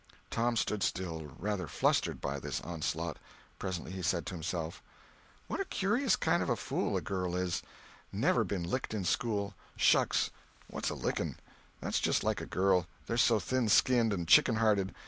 Tom stood still, rather flustered by this onslaught. Presently he said to himself: "What a curious kind of a fool a girl is! Never been licked in school! Shucks! What's a licking! That's just like a girl—they're so thin skinned and chicken hearted.